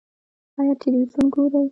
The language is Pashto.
ایا تلویزیون ګورئ؟